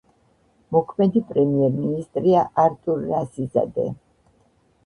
მოქმედი პრემიერ-მინისტრია არტურ რასიზადე.